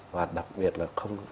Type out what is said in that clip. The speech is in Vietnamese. và đặc biệt là